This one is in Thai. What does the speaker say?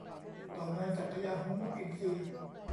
ต่อมาจับพญาฮุ้ง นกอินทรีย์